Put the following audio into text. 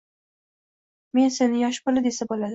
Mana seni yosh desa bo`ladi